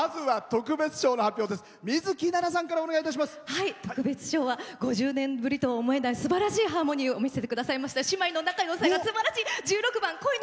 特別賞は５０年ぶりとは思えないすばらしいハーモニーを見せていただきました姉妹の仲よさがすばらしい。